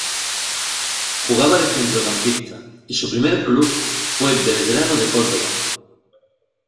Jugaba de centrocampista y su primer club fue Belgrano de Córdoba.